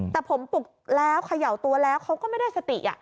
แต่ผมปลุกแล้วเขย่าตัวแล้วเขาก็ไม่ได้สติ